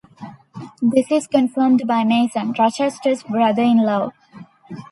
This is confirmed by Mason, Rochester's brother-in-law.